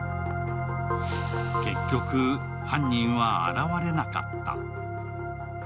結局、犯人は現れなかった。